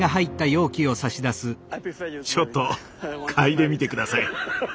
ちょっと嗅いでみてください。